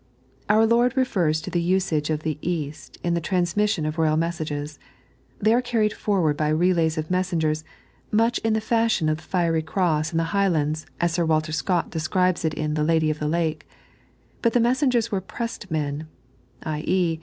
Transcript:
Our IiOrd refers to the osage of the East in the trans mission of the royal messages. They are carried forward by relays of messengers, much in the fashion of the Fiery Cross in the Highlands, as Sir Walter Scott describes it in *' The Lady of the I^ke." But the messengers were pressed men, i.e.